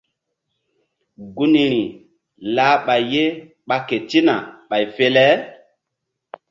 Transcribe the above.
Gunri lah ɓay ye ɓa ketina ɓay fe le.